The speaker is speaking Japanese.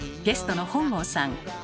ゲストの本郷さん。